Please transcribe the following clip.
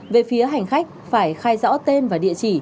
về phía hành khách phải khai rõ tên và địa chỉ